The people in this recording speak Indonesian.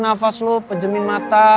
nafas lu pejamin mata